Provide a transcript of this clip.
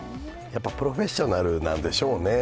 プロフェッショナルなんでしょうね。